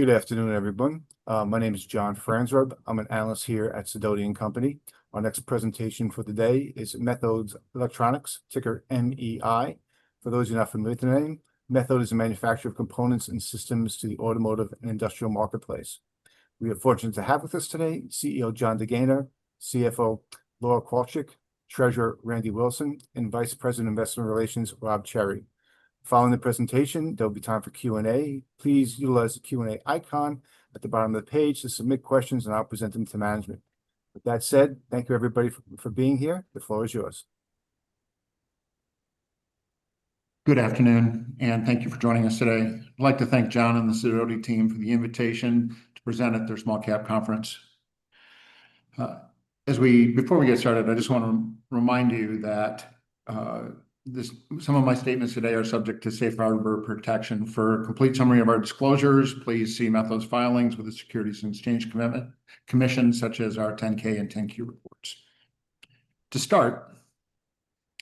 Good afternoon, everyone. My name is John Farnsworth. I'm an analyst here at Sidoti & Company. Our next presentation for the day is Methode Electronics, ticker MEI. For those who are not familiar with the name, Methode is a manufacturer of components and systems to the automotive and industrial marketplace. We are fortunate to have with us today CEO Jon DeGaynor, CFO Laura Kowalchik, Treasurer Randy Wilson, and Vice President of Investor Relations Rob Cherry. Following the presentation, there will be time for Q&A. Please utilize the Q&A icon at the bottom of the page to submit questions, and I'll present them to management. With that said, thank you, everybody, for being here. The floor is yours. Good afternoon, and thank you for joining us today. I'd like to thank John and the Sidoti team for the invitation to present at their small cap conference. Before we get started, I just want to remind you that some of my statements today are subject to safe harbor protection. For a complete summary of our disclosures, please see Methode's filings with the Securities and Exchange Commission, such as our 10-K and 10-Q reports. To start,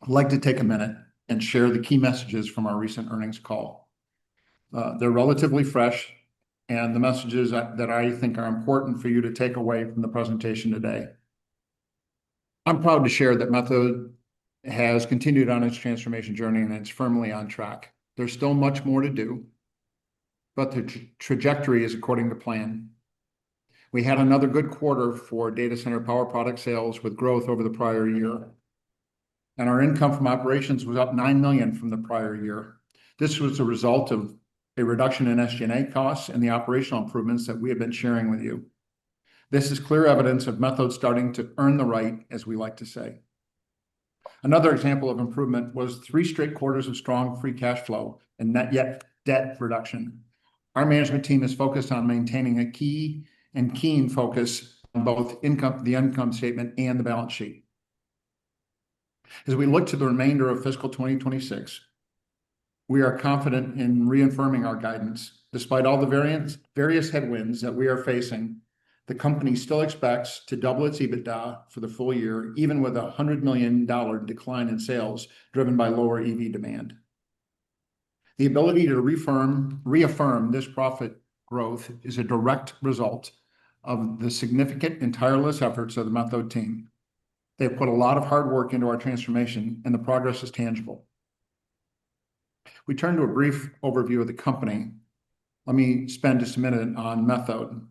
I'd like to take a minute and share the key messages from our recent earnings call. They're relatively fresh, and the messages that I think are important for you to take away from the presentation today. I'm proud to share that Methode has continued on its transformation journey, and it's firmly on track. There's still much more to do, but the trajectory is according to plan. We had another good quarter for data center power product sales, with growth over the prior year, and our income from operations was up $9 million from the prior year. This was a result of a reduction in SG&A costs and the operational improvements that we have been sharing with you. This is clear evidence of Methode starting to earn the right, as we like to say. Another example of improvement was three straight quarters of strong free cash flow and net debt reduction. Our management team is focused on maintaining a key and keen focus on both the income statement and the balance sheet. As we look to the remainder of FY2026, we are confident in reaffirming our guidance. Despite all the various headwinds that we are facing, the company still expects to double its EBITDA for the full year, even with a $100 million decline in sales driven by lower EV demand. The ability to reaffirm this profit growth is a direct result of the significant and tireless efforts of the Methode team. They've put a lot of hard work into our transformation, and the progress is tangible. We turn to a brief overview of the company. Let me spend just a minute on Methode.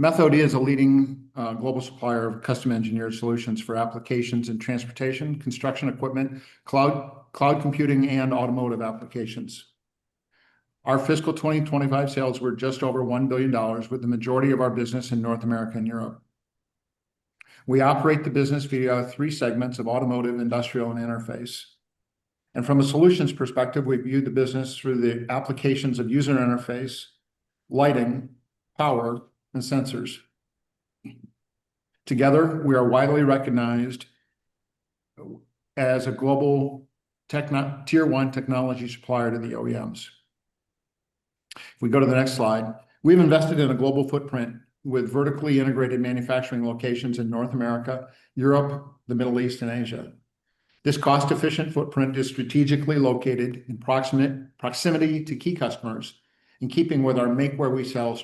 Methode is a leading global supplier of custom engineered solutions for applications in transportation, construction equipment, cloud computing, and automotive applications. Our FY2025 sales were just over $1 billion, with the majority of our business in North America and Europe. We operate the business via three segments of automotive, industrial, and interface. From a solutions perspective, we view the business through the applications of user interface, lighting, power, and sensors. Together, we are widely recognized as a global tier-one technology supplier to the OEMs. If we go to the next slide, we've invested in a global footprint with vertically integrated manufacturing locations in North America, Europe, the Middle East, and Asia. This cost-efficient footprint is strategically located in proximity to key customers, in keeping with our make-where-we-sell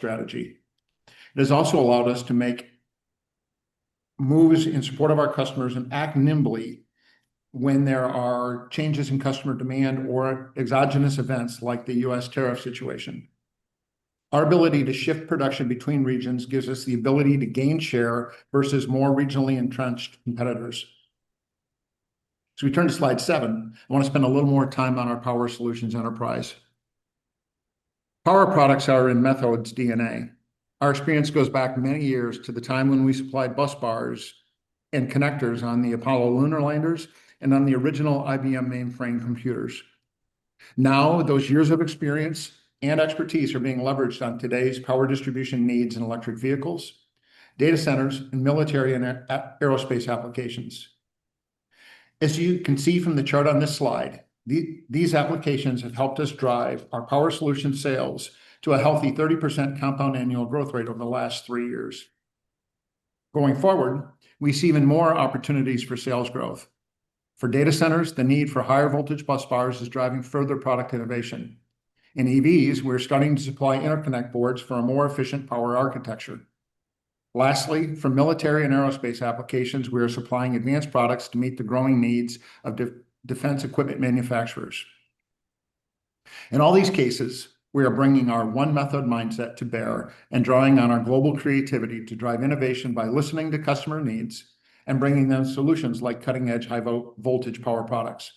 strategy. It has also allowed us to make moves in support of our customers and act nimbly when there are changes in customer demand or exogenous events like the U.S. tariff situation. Our ability to shift production between regions gives us the ability to gain share versus more regionally entrenched competitors. As we turn to slide seven, I want to spend a little more time on our power solutions enterprise. Power products are in Methode's DNA. Our experience goes back many years to the time when we supplied bus bars and connectors on the Apollo lunar landers and on the original IBM mainframe computers. Now, those years of experience and expertise are being leveraged on today's power distribution needs in electric vehicles, data centers, and military and aerospace applications. As you can see from the chart on this slide, these applications have helped us drive our power solution sales to a healthy 30% compound annual growth rate over the last three years. Going forward, we see even more opportunities for sales growth. For data centers, the need for higher voltage bus bars is driving further product innovation. In EVs, we're starting to supply interconnect boards for a more efficient power architecture. Lastly, for military and aerospace applications, we are supplying advanced products to meet the growing needs of defense equipment manufacturers. In all these cases, we are bringing our One Methode mindset to bear and drawing on our global creativity to drive innovation by listening to customer needs and bringing them solutions like cutting-edge high-voltage power products.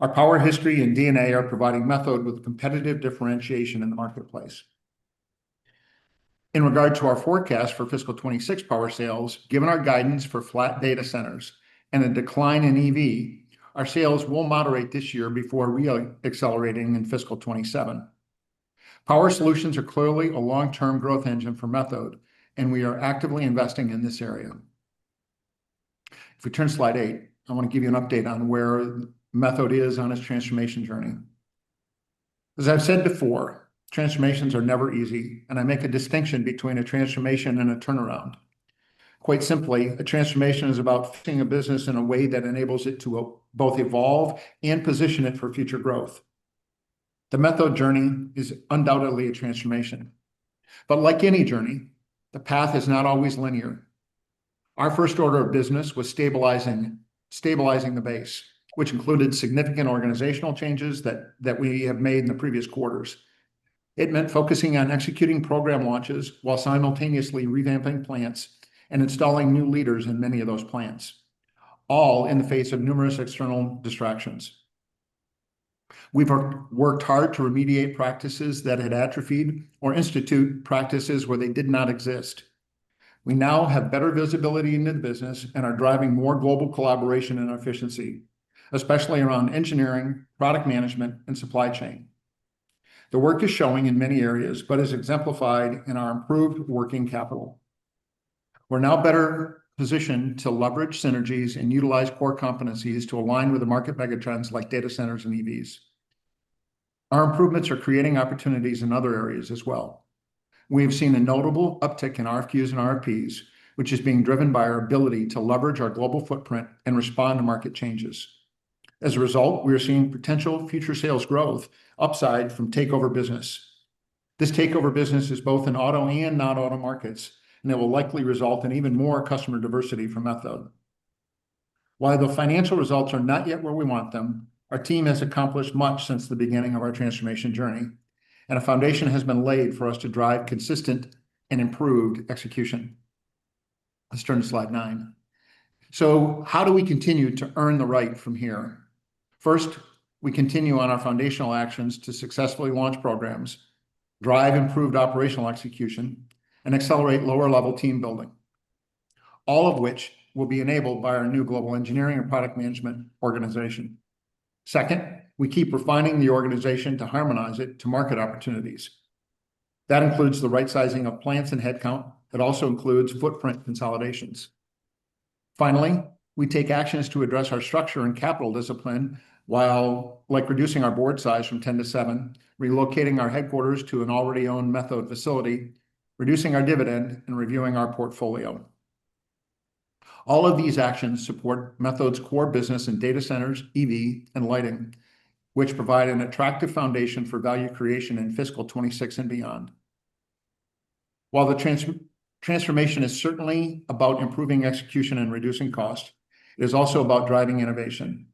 Our power history and DNA are providing Methode with competitive differentiation in the marketplace. In regard to our forecast for FY2026 power sales, given our guidance for flat data centers and a decline in EV, our sales will moderate this year before reaccelerating in FY2027. Power solutions are clearly a long-term growth engine for Methode, and we are actively investing in this area. If we turn to slide eight, I want to give you an update on where Methode is on its transformation journey. As I've said before, transformations are never easy, and I make a distinction between a transformation and a turnaround. Quite simply, a transformation is about fixing a business in a way that enables it to both evolve and position it for future growth. The Methode journey is undoubtedly a transformation. But like any journey, the path is not always linear. Our first order of business was stabilizing the base, which included significant organizational changes that we have made in the previous quarters. It meant focusing on executing program launches while simultaneously revamping plants and installing new leaders in many of those plants, all in the face of numerous external distractions. We've worked hard to remediate practices that had atrophied or institute practices where they did not exist. We now have better visibility into the business and are driving more global collaboration and efficiency, especially around engineering, product management, and supply chain. The work is showing in many areas, but is exemplified in our improved working capital. We're now better positioned to leverage synergies and utilize core competencies to align with the market megatrends like data centers and EVs. Our improvements are creating opportunities in other areas as well. We have seen a notable uptick in RFQs and RFPs, which is being driven by our ability to leverage our global footprint and respond to market changes. As a result, we are seeing potential future sales growth upside from takeover business. This takeover business is both in auto and non-auto markets, and it will likely result in even more customer diversity for Methode. While the financial results are not yet where we want them, our team has accomplished much since the beginning of our transformation journey, and a foundation has been laid for us to drive consistent and improved execution. Let's turn to slide nine. So how do we continue to earn the right from here? First, we continue on our foundational actions to successfully launch programs, drive improved operational execution, and accelerate lower-level team building, all of which will be enabled by our new global engineering and product management organization. Second, we keep refining the organization to harmonize it to market opportunities. That includes the right-sizing of plants and headcount. It also includes footprint consolidations. Finally, we take actions to address our structure and capital discipline while, like reducing our board size from 10 to seven, relocating our headquarters to an already owned Methode facility, reducing our dividend, and reviewing our portfolio. All of these actions support Methode's core business in data centers, EV, and lighting, which provide an attractive foundation for value creation in FY2026 and beyond. While the transformation is certainly about improving execution and reducing cost, it is also about driving innovation.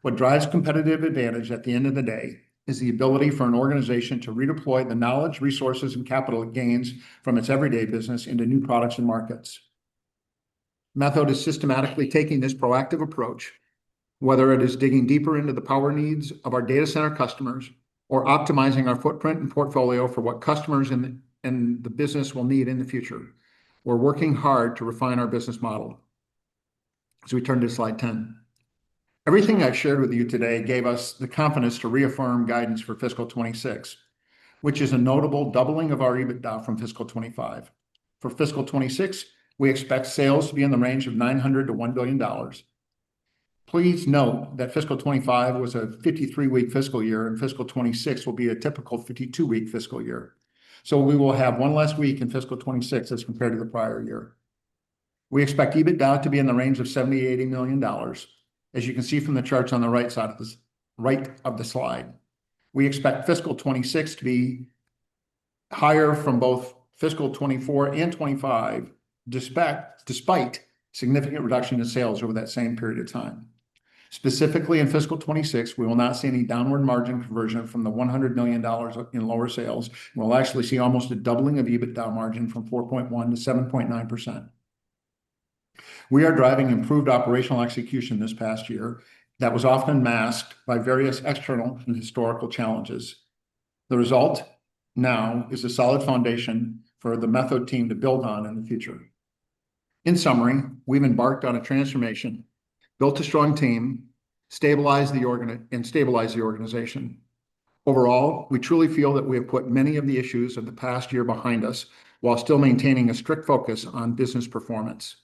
What drives competitive advantage at the end of the day is the ability for an organization to redeploy the knowledge, resources, and capital gains from its everyday business into new products and markets. Methode is systematically taking this proactive approach, whether it is digging deeper into the power needs of our data center customers or optimizing our footprint and portfolio for what customers and the business will need in the future. We're working hard to refine our business model. As we turn to slide 10, everything I've shared with you today gave us the confidence to reaffirm guidance for FY2026, which is a notable doubling of our EBITDA from FY2025. For FY2026, we expect sales to be in the range of $900-$1 billion. Please note that FY2025 was a 53-week fiscal year, and FY2026 will be a typical 52-week fiscal year. So we will have one less week in FY2026 as compared to the prior year. We expect EBITDA to be in the range of $70-$80 million, as you can see from the charts on the right side of the slide. We expect FY2026 to be higher from both FY2024 and FY2025, despite significant reduction in sales over that same period of time. Specifically, in FY2026, we will not see any downward margin conversion from the $100 million in lower sales. We'll actually see almost a doubling of EBITDA margin from 4.1% to 7.9%. We are driving improved operational execution this past year that was often masked by various external and historical challenges. The result now is a solid foundation for the Methode team to build on in the future. In summary, we've embarked on a transformation, built a strong team, and stabilized the organization. Overall, we truly feel that we have put many of the issues of the past year behind us while still maintaining a strict focus on business performance.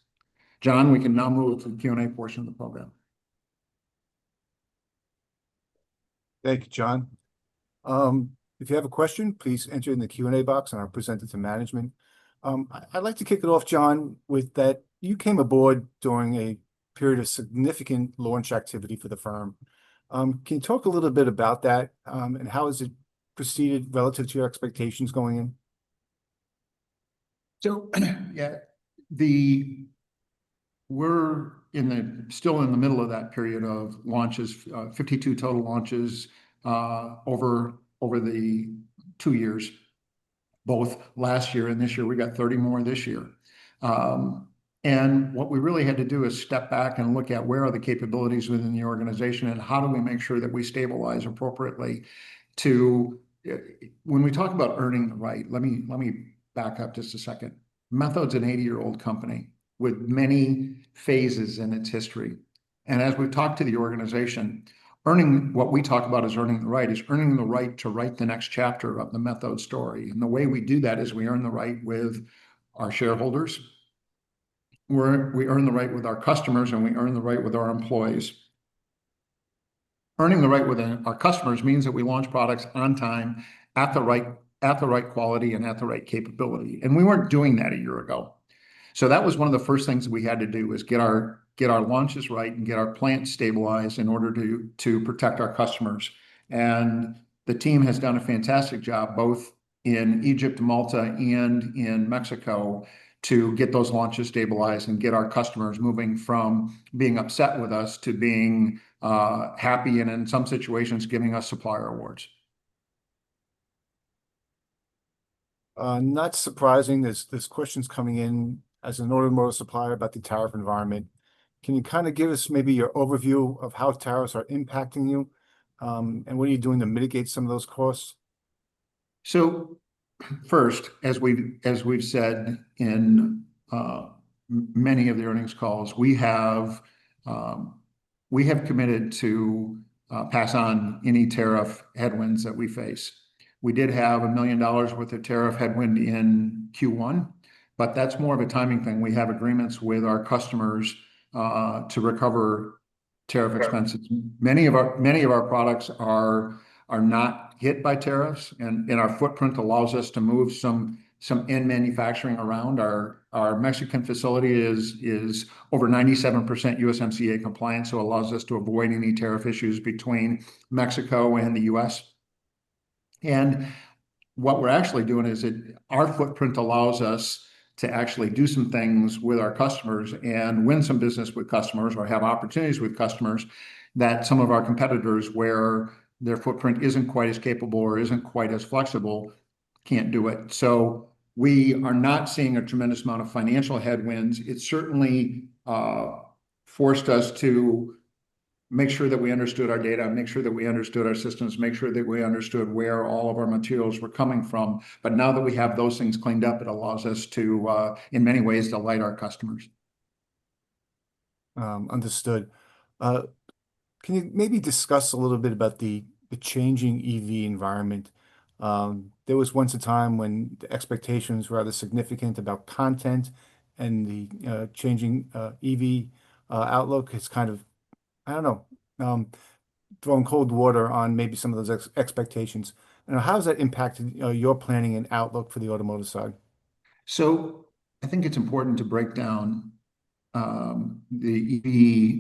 John, we can now move to the Q&A portion of the program. Thank you, John. If you have a question, please enter it in the Q&A box, and I'll present it to management. I'd like to kick it off, John, with that you came aboard during a period of significant launch activity for the firm. Can you talk a little bit about that, and how has it proceeded relative to your expectations going in? Yeah, we're still in the middle of that period of launches, 52 total launches over the two years. Both last year and this year, we got 30 more this year. What we really had to do is step back and look at where are the capabilities within the organization, and how do we make sure that we stabilize appropriately to when we talk about earning the right. Let me back up just a second. Methode's an 80-year-old company with many phases in its history. As we've talked to the organization, what we talk about as earning the right is earning the right to write the next chapter of the Methode story. The way we do that is we earn the right with our shareholders. We earn the right with our customers, and we earn the right with our employees. Earning the right with our customers means that we launch products on time at the right quality and at the right capability, and we weren't doing that a year ago, so that was one of the first things we had to do was get our launches right and get our plants stabilized in order to protect our customers, and the team has done a fantastic job both in Egypt, Malta, and in Mexico to get those launches stabilized and get our customers moving from being upset with us to being happy and, in some situations, giving us supplier awards. Not surprising, this question's coming in as an automotive supplier about the tariff environment. Can you kind of give us maybe your overview of how tariffs are impacting you, and what are you doing to mitigate some of those costs? First, as we've said in many of the earnings calls, we have committed to pass on any tariff headwinds that we face. We did have $1 million worth of tariff headwind in Q1, but that's more of a timing thing. We have agreements with our customers to recover tariff expenses. Many of our products are not hit by tariffs, and our footprint allows us to move some end manufacturing around. Our Mexican facility is over 97% USMCA compliant, so it allows us to avoid any tariff issues between Mexico and the U.S. What we're actually doing is our footprint allows us to actually do some things with our customers and win some business with customers or have opportunities with customers that some of our competitors, where their footprint isn't quite as capable or isn't quite as flexible, can't do it. We are not seeing a tremendous amount of financial headwinds. It certainly forced us to make sure that we understood our data, make sure that we understood our systems, make sure that we understood where all of our materials were coming from. But now that we have those things cleaned up, it allows us to, in many ways, delight our customers. Understood. Can you maybe discuss a little bit about the changing EV environment? There was once a time when the expectations were rather significant about content, and the changing EV outlook has kind of, I don't know, thrown cold water on maybe some of those expectations. And how has that impacted your planning and outlook for the automotive side? So I think it's important to break down the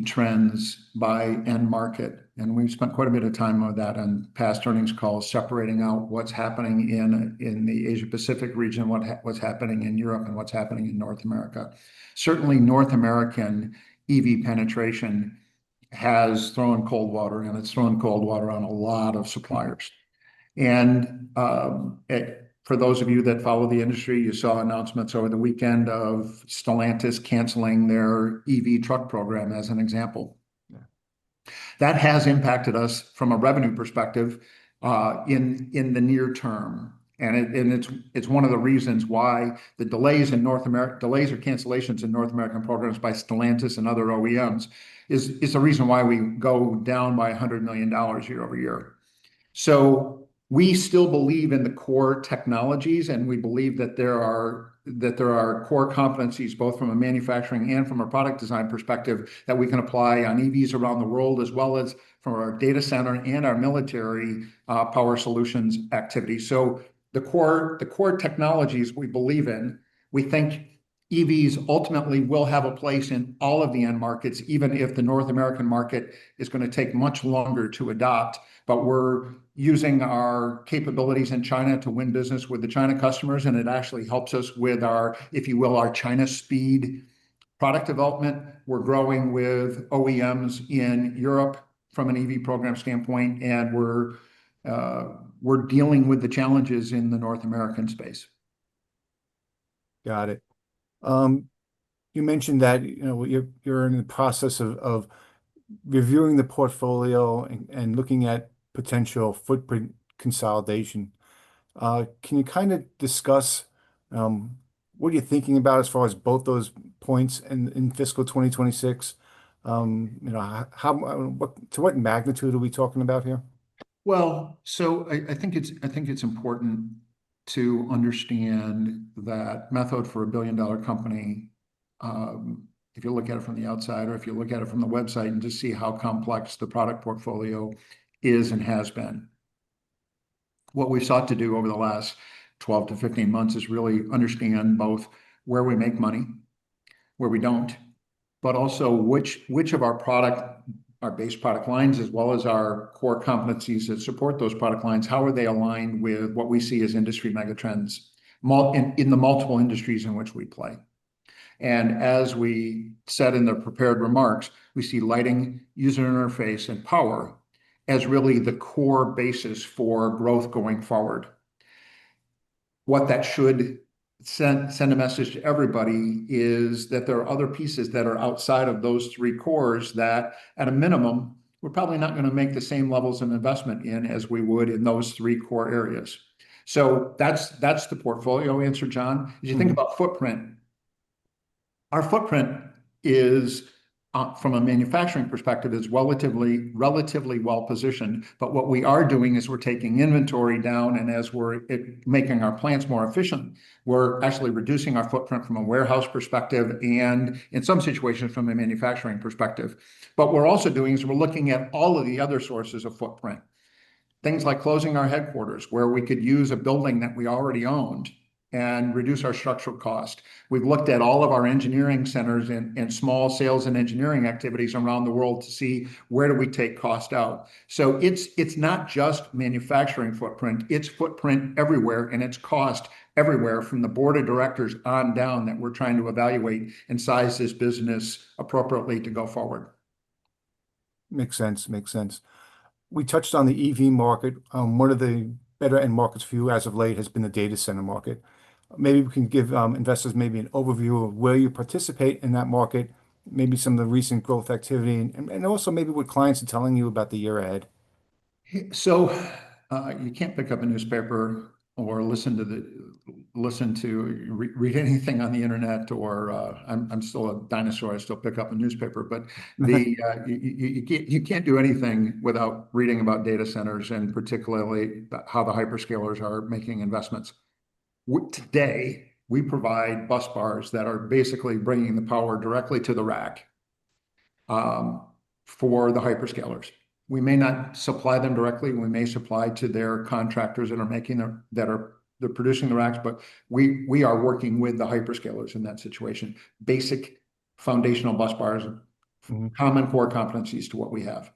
EV trends by end market. And we've spent quite a bit of time on that on past earnings calls, separating out what's happening in the Asia-Pacific region, what's happening in Europe, and what's happening in North America. Certainly, North American EV penetration has thrown cold water, and it's thrown cold water on a lot of suppliers. And for those of you that follow the industry, you saw announcements over the weekend of Stellantis canceling their EV truck program as an example. That has impacted us from a revenue perspective in the near term. And it's one of the reasons why the delays in North American cancellations in North American programs by Stellantis and other OEMs is a reason why we go down by $100 million year over year. So we still believe in the core technologies, and we believe that there are core competencies both from a manufacturing and from a product design perspective that we can apply on EVs around the world, as well as from our data center and our military power solutions activities. So the core technologies we believe in, we think EVs ultimately will have a place in all of the end markets, even if the North American market is going to take much longer to adopt. But we're using our capabilities in China to win business with the China customers, and it actually helps us with our, if you will, our China speed product development. We're growing with OEMs in Europe from an EV program standpoint, and we're dealing with the challenges in the North American space. Got it. You mentioned that you're in the process of reviewing the portfolio and looking at potential footprint consolidation. Can you kind of discuss what are you thinking about as far as both those points in FY2026? To what magnitude are we talking about here? Well, so I think it's important to understand that Methode, for a billion-dollar company, if you look at it from the outside or if you look at it from the website and just see how complex the product portfolio is and has been. What we've sought to do over the last 12-15 months is really understand both where we make money, where we don't, but also which of our product, our base product lines, as well as our core competencies that support those product lines, how are they aligned with what we see as industry megatrends in the multiple industries in which we play. And as we said in the prepared remarks, we see lighting, user interface, and power as really the core basis for growth going forward. What that should send a message to everybody is that there are other pieces that are outside of those three cores that, at a minimum, we're probably not going to make the same levels of investment in as we would in those three core areas. So that's the portfolio answer, John. As you think about footprint, our footprint, from a manufacturing perspective, is relatively well-positioned. But what we are doing is we're taking inventory down, and as we're making our plants more efficient, we're actually reducing our footprint from a warehouse perspective and, in some situations, from a manufacturing perspective. But what we're also doing is we're looking at all of the other sources of footprint, things like closing our headquarters, where we could use a building that we already owned and reduce our structural cost. We've looked at all of our engineering centers and small sales and engineering activities around the world to see where do we take cost out. So it's not just manufacturing footprint. It's footprint everywhere, and it's cost everywhere from the board of directors on down that we're trying to evaluate and size this business appropriately to go forward. Makes sense. Makes sense. We touched on the EV market. One of the better end markets for you as of late has been the data center market. Maybe we can give investors maybe an overview of where you participate in that market, maybe some of the recent growth activity, and also maybe what clients are telling you about the year ahead. You can't pick up a newspaper or listen to read anything on the internet, or I'm still a dinosaur. I still pick up a newspaper. But you can't do anything without reading about data centers and particularly how the hyperscalers are making investments. Today, we provide bus bars that are basically bringing the power directly to the rack for the hyperscalers. We may not supply them directly. We may supply to their contractors that are producing the racks, but we are working with the hyperscalers in that situation. Basic foundational bus bars, common core competencies to what we have.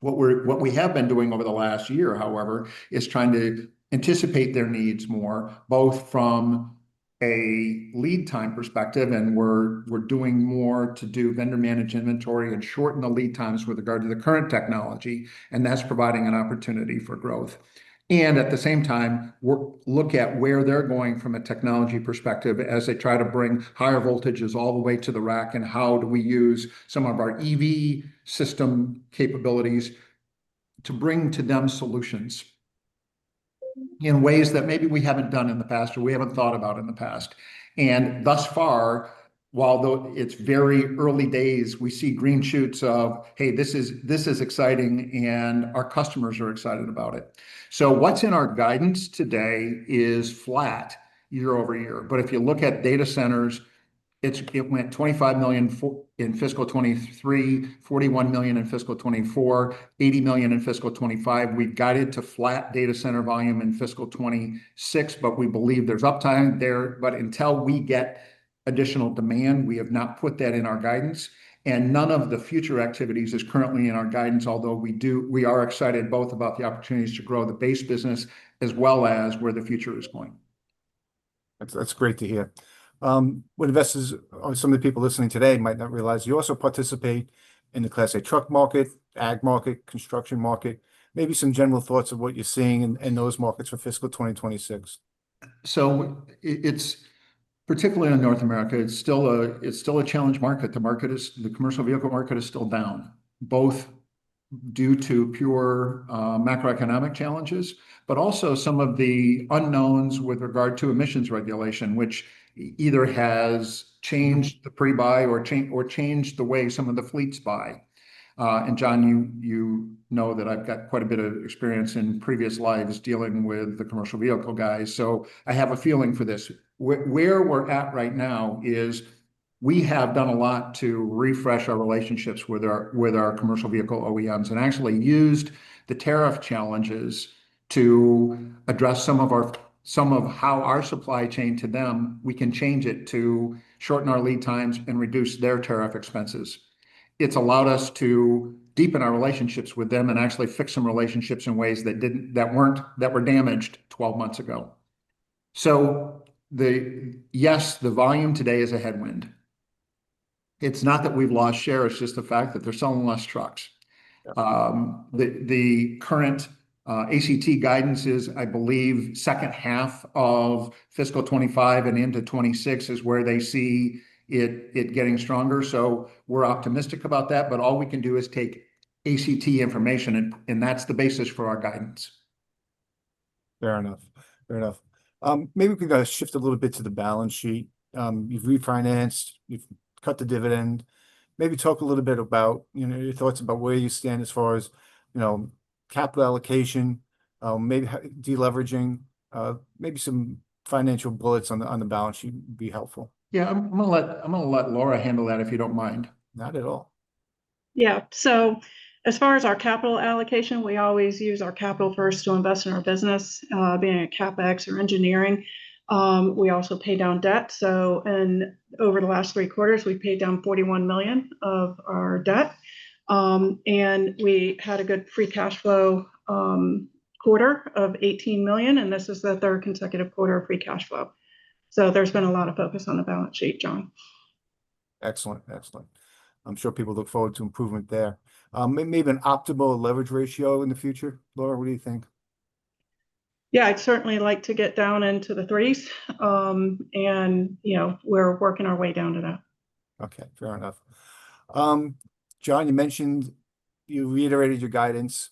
What we have been doing over the last year, however, is trying to anticipate their needs more both from a lead time perspective, and we're doing more to do vendor-managed inventory and shorten the lead times with regard to the current technology, and that's providing an opportunity for growth. And at the same time, we look at where they're going from a technology perspective as they try to bring higher voltages all the way to the rack, and how do we use some of our EV system capabilities to bring to them solutions in ways that maybe we haven't done in the past or we haven't thought about in the past. And thus far, while it's very early days, we see green shoots of, "Hey, this is exciting," and our customers are excited about it. So what's in our guidance today is flat year over year. But if you look at data centers, it went $25 million in FY2023, $41 million in FY2024, $80 million in FY2025. We guided to flat data center volume in FY2026, but we believe there's upside there. But until we get additional demand, we have not put that in our guidance. And none of the future activities is currently in our guidance, although we are excited both about the opportunities to grow the base business as well as where the future is going. That's great to hear. Some of the people listening today might not realize you also participate in the Class A truck market, ag market, construction market. Maybe some general thoughts of what you're seeing in those markets for FY2026. So particularly in North America, it's still a challenge market. The commercial vehicle market is still down, both due to pure macroeconomic challenges, but also some of the unknowns with regard to emissions regulation, which either has changed the pre-buy or changed the way some of the fleets buy. And John, you know that I've got quite a bit of experience in previous lives dealing with the commercial vehicle guys, so I have a feeling for this. Where we're at right now is we have done a lot to refresh our relationships with our commercial vehicle OEMs and actually used the tariff challenges to address some of how our supply chain to them. We can change it to shorten our lead times and reduce their tariff expenses. It's allowed us to deepen our relationships with them and actually fix some relationships in ways that weren't damaged 12 months ago. So yes, the volume today is a headwind. It's not that we've lost shares. It's just the fact that they're selling less trucks. The current ACT guidance is, I believe, second half of FY2025 and into 2026 is where they see it getting stronger. So we're optimistic about that, but all we can do is take ACT information, and that's the basis for our guidance. Fair enough. Fair enough. Maybe we could shift a little bit to the balance sheet. You've refinanced. You've cut the dividend. Maybe talk a little bit about your thoughts about where you stand as far as capital allocation, maybe deleveraging. Maybe some financial bullets on the balance sheet would be helpful. Yeah. I'm going to let Laura handle that if you don't mind. Not at all. Yeah. So as far as our capital allocation, we always use our capital first to invest in our business, being a CapEx or engineering. We also pay down debt. So over the last three quarters, we've paid down $41 million of our debt. And we had a good free cash flow quarter of $18 million, and this is the third consecutive quarter of free cash flow. So there's been a lot of focus on the balance sheet, John. Excellent. Excellent. I'm sure people look forward to improvement there. Maybe an optimal leverage ratio in the future. Laura, what do you think? Yeah. I'd certainly like to get down into the threes, and we're working our way down to that. Okay. Fair enough. John, you reiterated your guidance.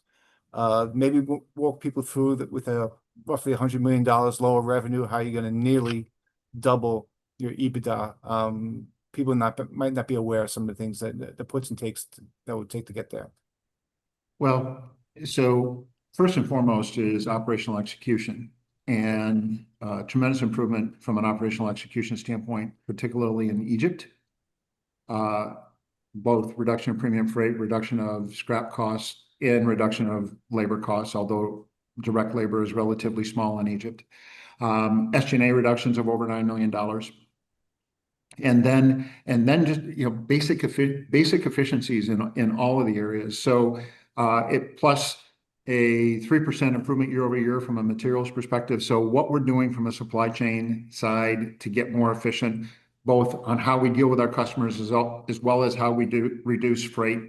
Maybe walk people through with a roughly $100 million lower revenue, how you're going to nearly double your EBITDA? People might not be aware of some of the things that the puts and takes that would take to get there. First and foremost is operational execution and tremendous improvement from an operational execution standpoint, particularly in Egypt, both reduction of premium freight, reduction of scrap costs, and reduction of labor costs, although direct labor is relatively small in Egypt, SG&A reductions of over $9 million. Then just basic efficiencies in all of the areas. Plus a 3% improvement year over year from a materials perspective. What we're doing from a supply chain side to get more efficient, both on how we deal with our customers as well as how we reduce freight,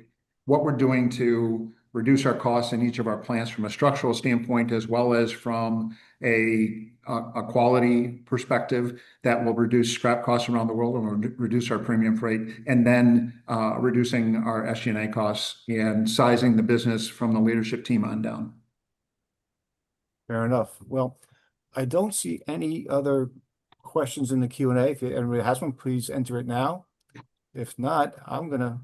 what we're doing to reduce our costs in each of our plants from a structural standpoint, as well as from a quality perspective that will reduce scrap costs around the world and reduce our premium freight, and then reducing our SG&A costs and sizing the business from the leadership team on down. Fair enough. Well, I don't see any other questions in the Q&A. If anybody has one, please enter it now. If not, I'm going to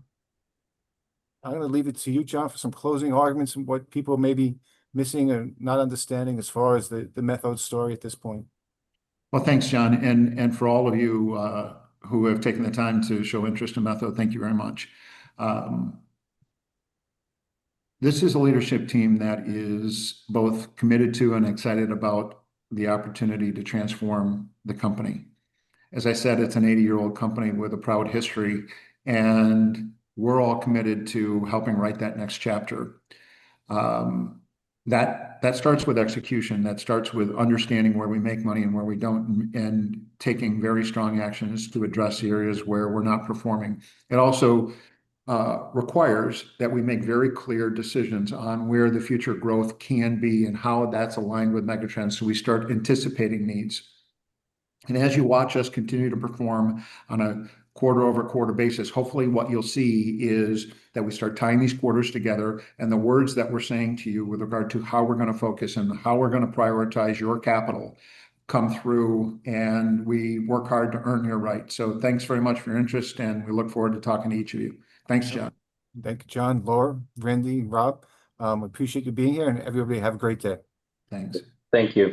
leave it to you, John, for some closing arguments and what people may be missing or not understanding as far as the Methode story at this point. Thanks, John. For all of you who have taken the time to show interest in Methode, thank you very much. This is a leadership team that is both committed to and excited about the opportunity to transform the company. As I said, it's an 80-year-old company with a proud history, and we're all committed to helping write that next chapter. That starts with execution. That starts with understanding where we make money and where we don't and taking very strong actions to address areas where we're not performing. It also requires that we make very clear decisions on where the future growth can be and how that's aligned with megatrends so we start anticipating needs. And as you watch us continue to perform on a quarter-over-quarter basis, hopefully what you'll see is that we start tying these quarters together, and the words that we're saying to you with regard to how we're going to focus and how we're going to prioritize your capital come through, and we work hard to earn your rights. So thanks very much for your interest, and we look forward to talking to each of you. Thanks, John. Thank you, John, Laura, Randy, Rob. We appreciate you being here, and everybody have a great day. Thanks. Thank you.